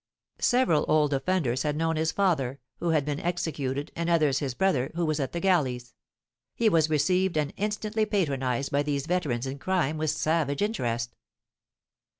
Several old offenders had known his father, who had been executed, and others his brother, who was at the galleys; he was received and instantly patronised by these veterans in crime with savage interest.